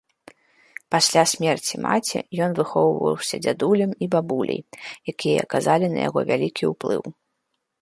Пасля смерці маці ён выхоўваўся дзядулем і бабуляй, якія аказалі на яго вялікі ўплыў.